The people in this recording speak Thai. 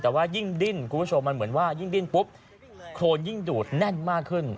แต่ว่ายิ่งดิ้นคุณผู้ชมมันเหมือนว่ายิ่งดิ้นปุ๊บโครนยิ่งดูดแน่นมากขึ้น